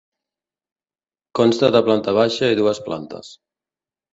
Consta de planta baixa i dues plantes.